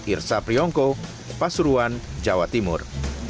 irsa priyongko pasuruan jawa timur